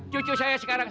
cucu saya sekarang